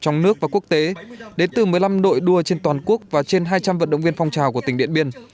trong nước và quốc tế đến từ một mươi năm đội đua trên toàn quốc và trên hai trăm linh vận động viên phong trào của tỉnh điện biên